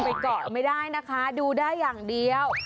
ไปเกาะไม่ได้นะคะดูได้อย่างเดียว